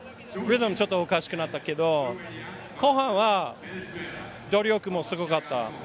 ジョシュがちょっとおかしくなったけれど、後半は努力もすごかった。